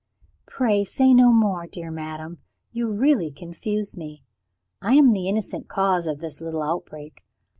"Pray say no more, dear madam you really confuse me. I am the innocent cause of his little outbreak.